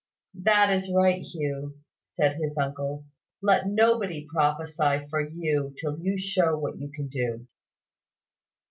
"That is right, Hugh," said his uncle. "Let nobody prophesy for you till you show what you can do."